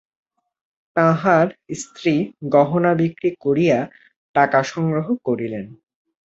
তাঁহার স্ত্রী গহনা বিক্রয় করিয়া টাকা সংগ্রহ করিলেন।